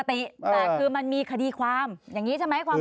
แต่คือมันมีคดีความอย่างนี้ใช่ไหมความ